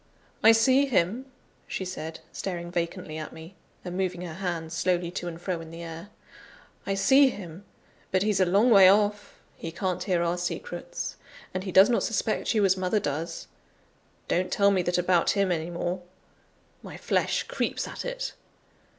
"I see him," she said, staring vacantly at me, and moving her hands slowly to and fro in the air. "I see him! But he's a long way off; he can't hear our secrets, and he does not suspect you as mother does. Don't tell me that about him any more; my flesh creeps at it!